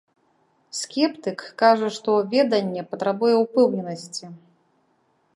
Скептык кажа, што веданне патрабуе упэўненасці.